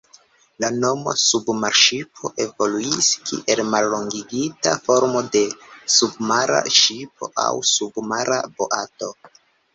La nomo "submarŝipo" evoluis kiel mallongigita formo de "submara ŝipo" aŭ "submara boato".